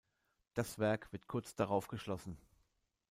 Das Werk wird kurz darauf geschlossen.